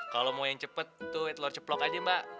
kalau mau yang cepet tuh telur ceplok aja mbak